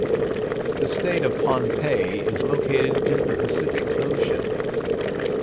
The state of Pohnpei is located in the Pacific Ocean.